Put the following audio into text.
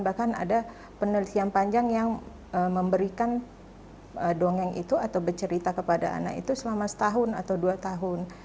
bahkan ada penelitian panjang yang memberikan dongeng itu atau bercerita kepada anak itu selama setahun atau dua tahun